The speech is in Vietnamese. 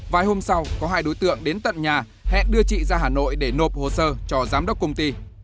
vài hôm sau có hai đối tượng đến tận nhà hẹn đưa chị ra hà nội để nộp hồ sơ cho giám đốc công ty